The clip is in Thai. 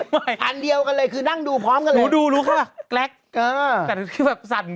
ภัทรเดียวกันเลยคือนั่งดูพร้อมกันเลย